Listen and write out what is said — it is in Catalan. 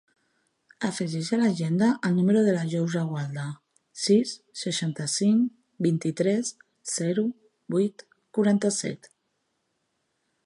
Afegeix a l'agenda el número de la Yousra Gualda: sis, seixanta-cinc, vint-i-tres, zero, vuit, quaranta-set.